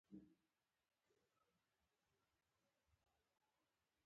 د رحم د درد لپاره ګرمه کڅوړه وکاروئ